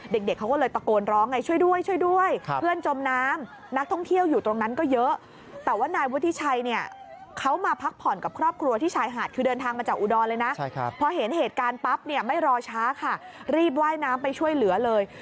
เด็กเขาก็เลยตะโกนร้องไงช่วยด้วย